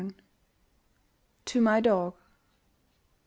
TO MY DOG.